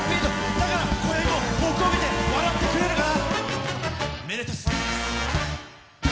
だから僕を見て笑ってくれるかな。